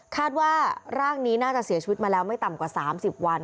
คาดว่าร่างนี้น่าจะเสียชีวิตมาแล้วไม่ต่ำกว่า๓๐วัน